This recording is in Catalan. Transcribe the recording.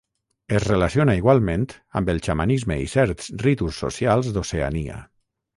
Es relaciona igualment amb el xamanisme i certs ritus socials d'Oceania.